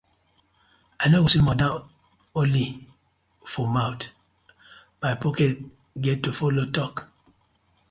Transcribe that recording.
I no go sweet mother only for mouth, my pocket get to follo tok.